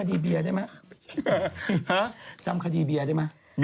ตลอดเวลา